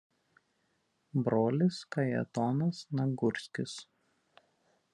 Brolis Kajetonas Nagurskis.